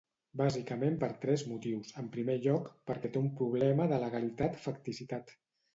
Bàsicament per tres motius: en primer lloc, perquè té un problema de legalitat-facticitat.